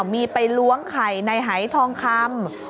มีไปล้วงไข่ในหายทองคำ